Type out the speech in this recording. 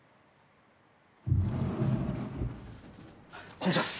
こんにちはっす。